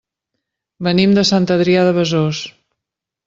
Venim de Sant Adrià de Besòs.